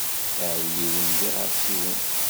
Iɛudiwen d iɣersiwen.